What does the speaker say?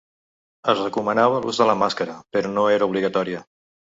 Es recomanava l’ús de la màscara, però no era obligatòria.